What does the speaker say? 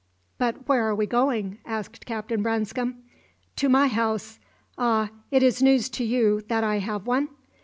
"But where are we going?" asked Captain Branscome. "To my house. Ah, it is news to you that I have one?